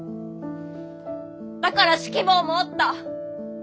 だから指揮棒も折った！